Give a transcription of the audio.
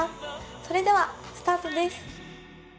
それではスタートです。